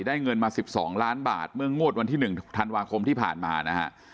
เงินมา๑๒ล้านบาทเมื่องวดวันที่๑ธันวาคมที่ผ่านมานะฮะ